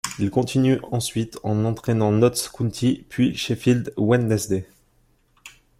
Il continue ensuite en entraînant Notts County puis Sheffield Wednesday.